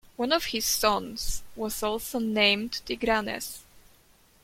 One of his sons was also named Tigranes.